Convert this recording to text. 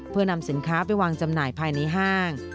เพื่อนำสินค้าไปวางจำหน่ายภายในห้าง